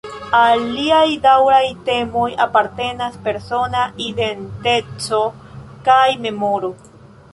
Al liaj daŭraj temoj apartenas persona identeco kaj memoro.